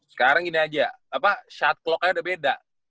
sekarang gini aja apa shot clock nya udah beda